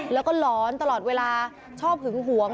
แล้วก็หลอนตลอดเวลาชอบหึงหวง